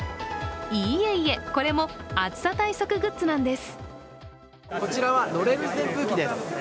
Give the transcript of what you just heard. いえいえ、これも暑さ対策グッズなんです。